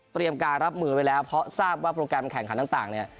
การรับมือไว้แล้วเพราะทราบว่าโปรแกรมแข่งขันต่างเนี่ย